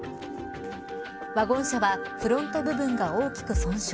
ワゴン車はフロント部分が大きく損傷。